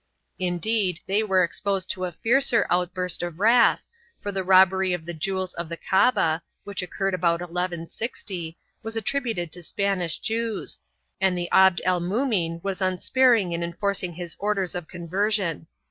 Indeed, they were exposed to a fiercer out burst of wrath, for the robbery of the jewels of the Kaaba, which occurred about 1160, was attributed to Spanish Jews, and Abd el mumin was unsparing in enforcing his orders of conversion.